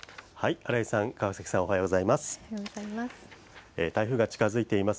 新井さん、川崎さん、おはようございます。